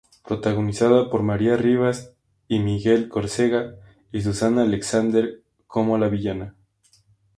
Protagonizada por María Rivas y Miguel Córcega y Susana Alexander como la villana.